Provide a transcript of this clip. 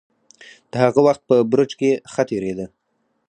د هغه وخت په برج کې ښه تېرېده.